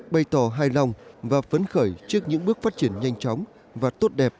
bày tỏ hài lòng và phấn khởi trước những bước phát triển nhanh chóng và tốt đẹp